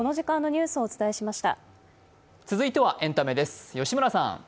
続いてはエンタメです。